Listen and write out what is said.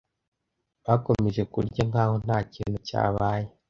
Bakomeje kurya nkaho ntakintu cyabaye.